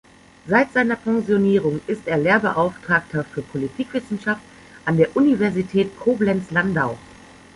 Seit seiner Pensionierung ist er Lehrbeauftragter für Politikwissenschaft an der Universität Koblenz-Landau.